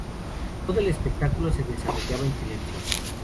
Todo el espectáculo se desarrollaba en silencio.